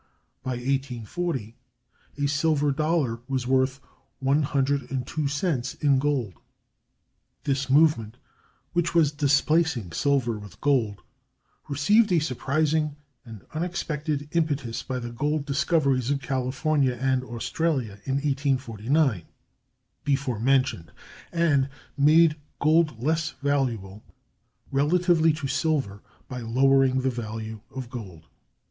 By 1840 a silver dollar was worth 102 cents in gold.(238) This movement, which was displacing silver with gold, received a surprising and unexpected impetus by the gold discoveries of California and Australia in 1849, before mentioned, and made gold less valuable relatively to silver, by lowering the value of gold.